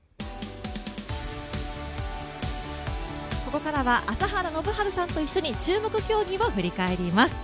ここからは朝原宣治さんと一緒に注目競技を振り返ります。